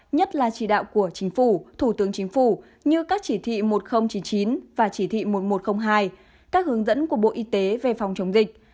nhất là chỉ đạo của chính phủ thủ tướng chính phủ như các chỉ thị một nghìn chín mươi chín và chỉ thị một nghìn một trăm linh hai các hướng dẫn của bộ y tế về phòng chống dịch